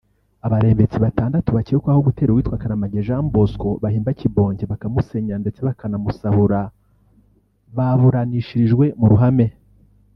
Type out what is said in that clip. Abarembetsi batandatu bakekwaho gutera uwitwa Karamage Jean Bosco bahimba Kibonge bakamusenyera ndetse bakanamusahura baburanishirijwe mu ruhame